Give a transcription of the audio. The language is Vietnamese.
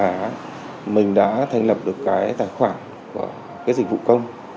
và mình đã thành lập được cái tài khoản của cái dịch vụ công